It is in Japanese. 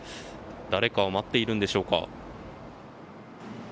誰かを待っているんでしょうか。